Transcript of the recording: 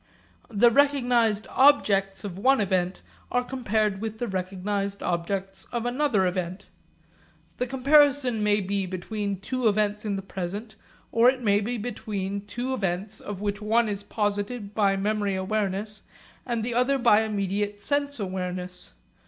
The recognised objects of one event are compared with the recognised objects of another event. The comparison may be between two events in the present, or it may be between two events of which one is posited by memory awareness and the other by immediate sense awareness.